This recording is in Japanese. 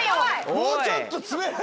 もうちょっと詰めないと。